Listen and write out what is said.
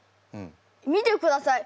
見てください。